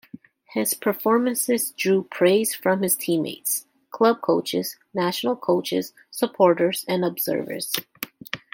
His performances drew praise from his teammates, club coaches, national coach, supporters and observers.